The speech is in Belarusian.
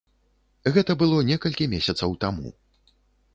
Гэта было некалькі месяцаў таму.